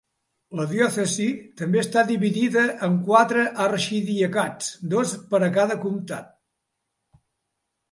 La diòcesi també està dividida en quatre arxidiacats, dos per a cada comtat.